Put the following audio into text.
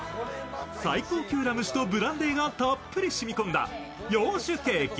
最高級ラム酒とブランデーがたっぷり染み込んだ洋酒ケーキ。